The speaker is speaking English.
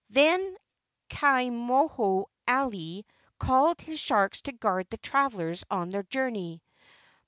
Then Ka moho alii called his sharks to guard the travellers on their journey.